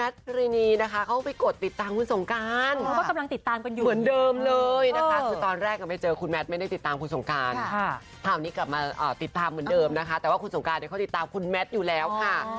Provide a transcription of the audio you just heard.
ติดตามเหมือนเดิมนะคะแต่ว่าคุณสงการเขาติดตามคุณแมทอยู่แล้วค่ะ